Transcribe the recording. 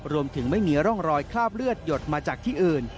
ไม่มีร่องรอยคราบเลือดหยดมาจากที่อื่น